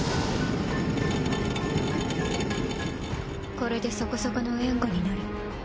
これでそこそこの援護になる。